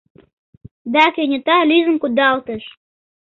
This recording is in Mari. Да кенета лӱдын кудалтыш.